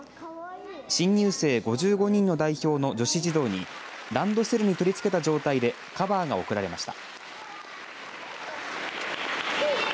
新入生５５人の代表の女子児童にランドセルに取り付けた状態でカバーが贈られました。